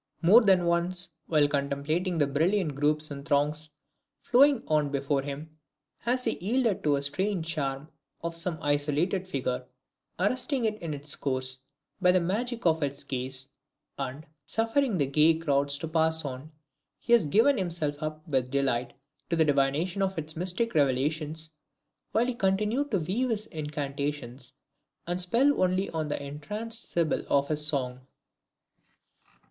More than once, while contemplating the brilliant groups and throngs flowing on before him, has he yielded to the strange charm of some isolated figure, arresting it in its course by the magic of his gaze, and, suffering the gay crowds to pass on, he has given himself up with delight to the divination of its mystic revelations, while he continued to weave his incantations and spells only for the entranced Sibyl of his song.